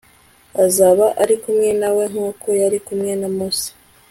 azaba ari kumwe nawe nk'uko yari kumwe na musa